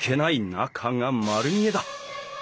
中が丸見えだ。